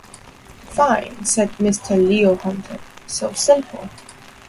‘Fine,’ said Mr. Leo Hunter; ‘so simple.’